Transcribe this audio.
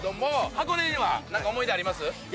箱根には何か思い出あります？